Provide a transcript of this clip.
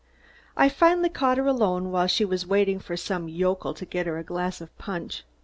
I finally caught her alone while she was waiting for some yokel to get her a glass of punch.